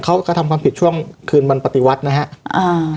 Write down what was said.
กระทำความผิดช่วงคืนวันปฏิวัตินะฮะอ่า